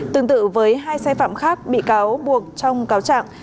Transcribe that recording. tương tự với hai xe phạm khác bị cáo buộc trong cáo trạng